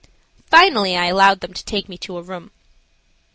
Finally I allowed them to take me to a room.